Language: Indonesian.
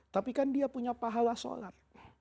tapi kan dia punya pahala sholat